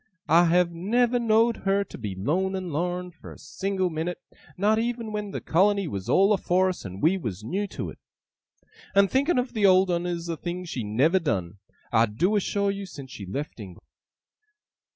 I have never know'd her to be lone and lorn, for a single minute, not even when the colony was all afore us, and we was new to it. And thinking of the old 'un is a thing she never done, I do assure you, since she left England!